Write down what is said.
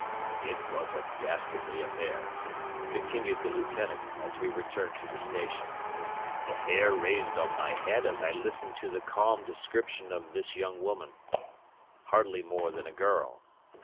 "It was a dastardly affair," continued the Lieutenant, as we returned to the station. "The hair raised on my head as I listened to the calm description of this young woman, hardly more than a girl.